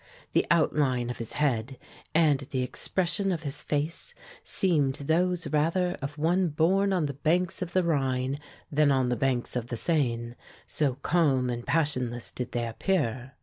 The outline of his head and the expression of his face seemed those rather of one born on the banks of the Rhine than on the banks of the Seine, so calm and passionless did they appear.